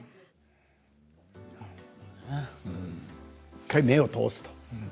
１回目を通すと。